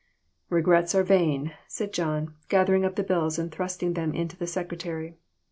"Regrets are vain," said John, gathering up the bills and thrusting them into the secretary.